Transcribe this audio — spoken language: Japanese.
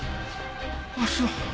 あっそう。